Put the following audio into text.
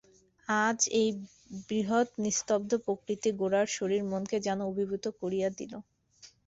আজ এই বৃহৎ নিস্তব্ধ প্রকৃতি গোরার শরীর-মনকে যেন অভিভূত করিয়া দিল।